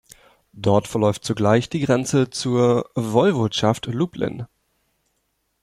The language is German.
Dort verläuft zugleich die Grenze zur Woiwodschaft Lublin.